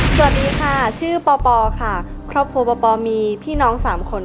สวัสดีค่ะชื่อปอปอขอบพว่ามีพี่น้องสามคน